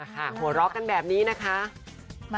หัวเราะกันแบบนี้นะคะ